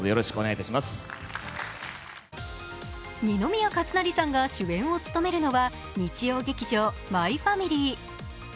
二宮和也さんが主演を務めるのは、日曜劇場「マイファミリー」。